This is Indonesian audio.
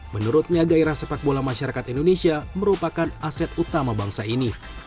menurutnya gairah sepak bola masyarakat indonesia merupakan aset utama bangsa ini